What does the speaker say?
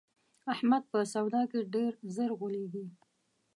احمد په سودا کې ډېر زر غولېږي.